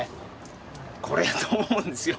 これやと思うんですよ。